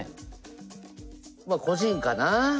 まっ個人かな。